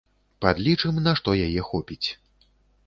Падлічым, на што яе хопіць.